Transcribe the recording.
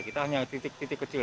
kita hanya titik titik kecil